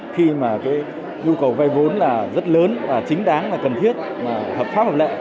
khi mà nhu cầu vay vốn rất lớn và chính đáng là cần thiết hợp pháp hợp lệ